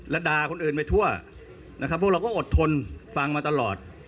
และด่าคนอื่นไปทั่วนะครับพวกเราก็อดทนฟังมาตลอด